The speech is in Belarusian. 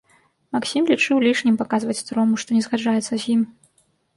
Максім лічыў лішнім паказваць старому, што не згаджаецца з ім.